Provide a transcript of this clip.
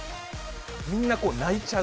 みんなこう泣いちゃう。